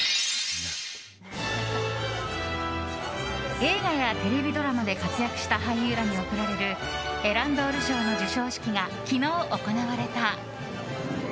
映画やテレビドラマで活躍した俳優らに贈られるエランドール賞の授賞式が昨日行われた。